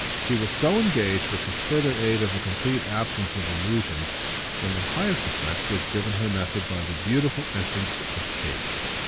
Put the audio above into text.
She was so engaged, with the further aid of a complete absence of allusions, when the highest effect was given her method by the beautiful entrance of Kate.